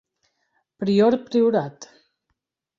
Prior Priorat.